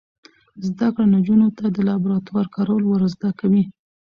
زده کړه نجونو ته د لابراتوار کارول ور زده کوي.